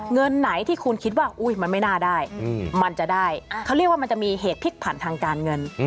เงินไหนที่คุณคิดว่ามันไม่น่าได้มันจะได้เขาเรียกว่ามันจะมีเหตุพลิกผันทางการเงิน